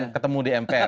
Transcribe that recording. ketemu di mpr